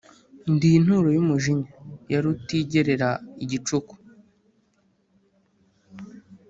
Ndi inturo y´umujinya yarutigerera igicuku